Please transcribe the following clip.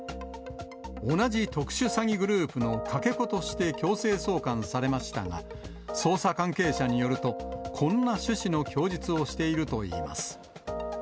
同じ特殊詐欺グループのかけ子として強制送還されましたが、捜査関係者によると、こんな趣旨の供述をしているといいます。